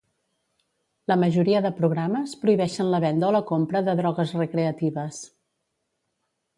La majoria de programes prohibeixen la venda o la compra de drogues recreatives.